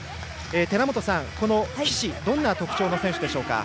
寺本さん、岸はどんな特徴の選手でしょうか。